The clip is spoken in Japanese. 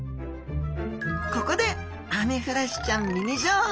ここでアメフラシちゃんミニ情報。